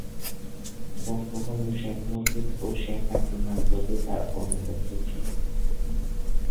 বঙ্গবন্ধু শেখ মুজিব ও শেখ হাসিনার প্রতি তার আনুগত্য ছিল।